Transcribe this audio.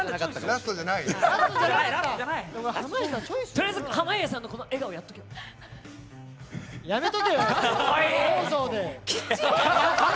とりあえず濱家さんの笑顔やっちゃえ。